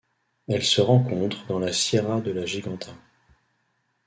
Elle se rencontre dans la sierra de la Giganta.